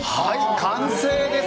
完成です。